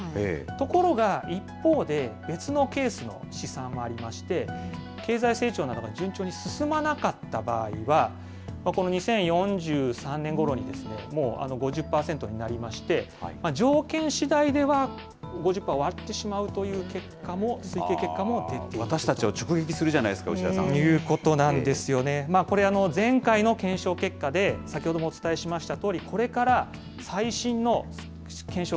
ところが、一方で別のケースの試算もありまして、経済成長などが順調に進まなかった場合は、この２０４３年ごろにもう５０％になりまして、条件しだいでは５０パーを割ってしまうという結果も、推定結果も私たちを直撃するじゃないでということなんですよね、これ、前回の検証結果で先ほどもお伝えしましたとおり、これから最新の検証